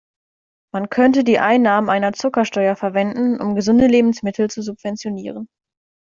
Man könnte die Einnahmen einer Zuckersteuer verwenden, um gesunde Lebensmittel zu subventionieren.